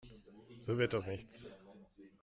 So wird das nichts.